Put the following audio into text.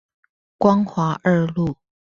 光華二路